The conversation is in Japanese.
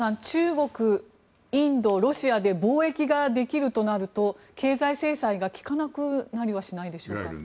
中国、インド、ロシアで貿易ができるとなると経済制裁が効かなくなりはしないでしょうか。